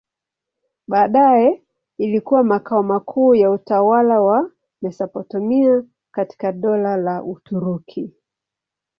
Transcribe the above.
Baadaye ilikuwa makao makuu ya utawala wa Mesopotamia katika Dola la Uturuki.